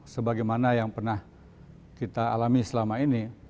sebagaimana yang pernah kita alami selama ini